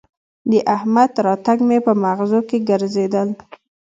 د احمد راتګ مې به مغزو کې ګرځېدل